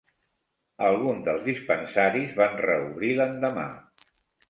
Alguns dels dispensaris van reobrir l'endemà.